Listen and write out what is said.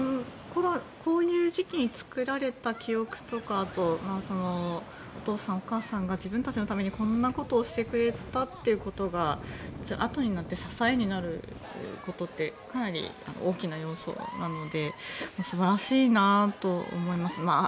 こういう時期に作られた記憶とかあとは、お父さん、お母さんが自分たちのためにこんなことをしてくれたっていうことが、あとになって支えになることってかなり大きな要素なので素晴らしいなと思います。